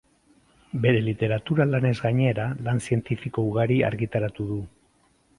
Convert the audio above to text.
Bere literatura-lanez gainera, lan zientifiko ugari argitaratu du.